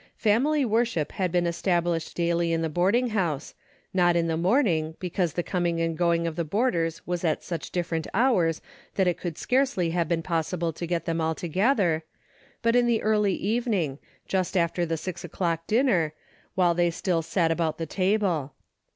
Family worship had been established daily in 312 A DAILY BATE." 313 the boarding house, not in the morning, be cause the coming and going of the boarders was at such different hours that it would scarcely have been possible to get them all together, but in the early evening, just after the six o'clock dinner, while they still sat about the table.